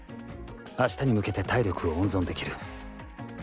明日に向けて体力を温存できる。